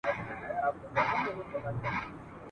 بیرغچي هم له غازیانو څخه وو، چي زخمي سو.